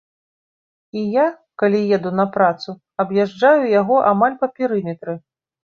І я, калі еду на працу, аб'язджаю яго амаль па перыметры.